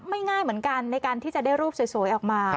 ง่ายเหมือนกันในการที่จะได้รูปสวยออกมา